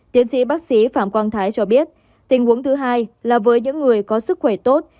tiến sĩ bác sĩ phạm quang thái cho biết tình huống thứ hai là với những người có sức khỏe tốt